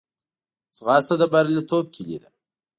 ځغاسته د بریالیتوب کلۍ ده